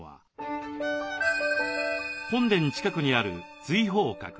本殿近くにある瑞鳳閣。